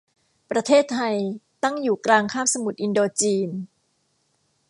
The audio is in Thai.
ประเทศไทยตั้งอยู่กลางคาบสมุทรอินโดจีน